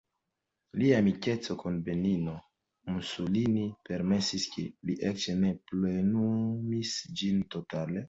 Lia amikeco kun Benito Mussolini permesis, ke li eĉ ne plenumis ĝin totale.